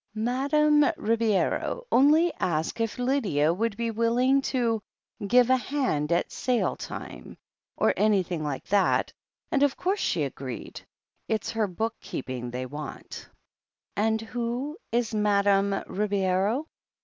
"Madame Ribeiro only asked if^Lydia would be willing to give ^ hand at sale time, or anything like that, and of course she agreed. It's her book keeping they want." "And who is Madame Ribeiro?"